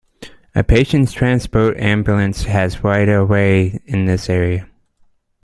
A patient transport ambulance has right of way in this area.